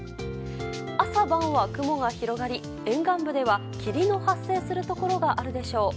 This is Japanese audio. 朝晩は雲が広がり、沿岸部では霧の発生するところがあるでしょう。